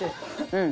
うん。